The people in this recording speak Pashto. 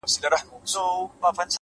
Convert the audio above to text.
پوه انسان له اورېدو هم زده کوي؛